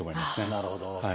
なるほど。